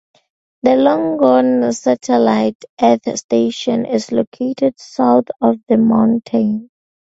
The Longonot satellite earth station is located south of the mountain.